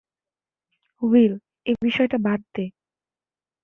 Will, এ বিষয়টা বাদ দে।